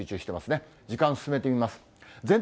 時間進めてみます。